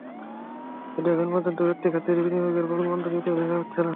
কিন্তু এখন পর্যন্ত ব্যক্তি খাতের বিনিয়োগের প্রাণবন্ত চিত্র দেখা যাচ্ছে না।